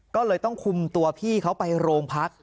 ก็เลยต้องคุมตัวพี่เขาไปโรงพัก